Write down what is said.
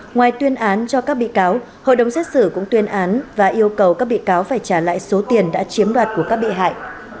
ngoài tuyên án cho các bị cáo hội đồng xét xử cũng tuyên án và yêu cầu các bị cáo phải trả lại số tiền đã chiếm đoạt của các bị hại